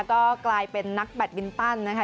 ก็กลายเป็นนักแบตบินตันนะคะ